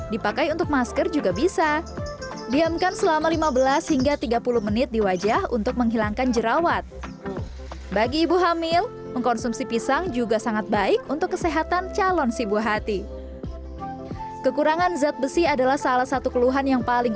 dipakai untuk masker juga bisa